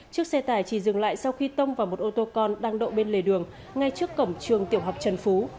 chiếc xe tải chỉ dừng lại sau khi tông vào một ô tô con đang đậu bên lề đường ngay trước cổng trường tiểu học trần phú